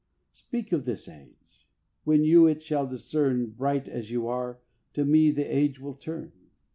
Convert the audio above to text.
Speak of this Age. When you it shall discern Bright as you are, to me the Age will turn.